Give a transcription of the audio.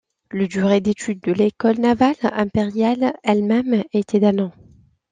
Le durée d'étude de l'école navale impériale elle-même était d'un an.